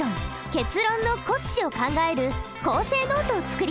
結論の骨子を考える構成ノートを作りましょう。